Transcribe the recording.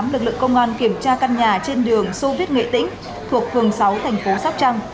lực lượng công an kiểm tra căn nhà trên đường sô viết nghệ tĩnh thuộc phường sáu thành phố sóc trăng